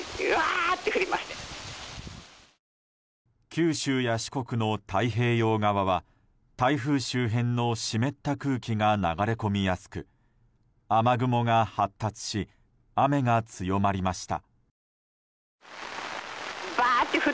九州や四国の太平洋側は台風周辺の湿った空気が流れ込みやすく雨雲が発達し雨が強まりました。